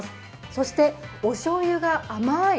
そしておしょうゆが甘い。